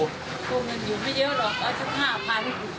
กู้เงินอยู่ไม่เยอะหรอกเอาจาก๕๐๐๐